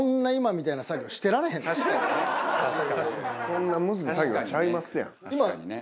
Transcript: そんなむずい作業ちゃいますやん。